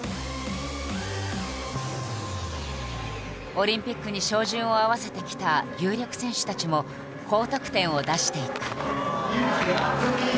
オリンピックに照準を合わせてきた有力選手たちも高得点を出していく。